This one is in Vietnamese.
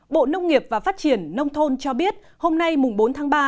bộ nông nghiệp và phát triển nông thôn cho biết hôm nay bốn tháng ba